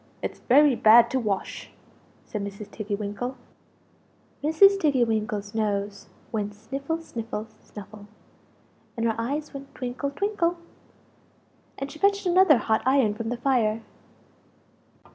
It's very bad to wash!" said Mrs. Tiggy winkle. Mrs. Tiggy winkle's nose went sniffle, sniffle, snuffle, and her eyes went twinkle, twinkle; and she fetched another hot iron from the fire.